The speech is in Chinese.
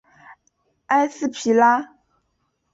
埃斯皮拉。